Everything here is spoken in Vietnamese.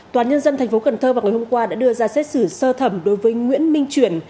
toàn nhân dân tp cần thơ vào ngày hôm qua đã đưa ra xét xử sơ thẩm đối với nguyễn minh chuyển